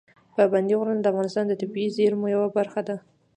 پابندي غرونه د افغانستان د طبیعي زیرمو یوه برخه ده.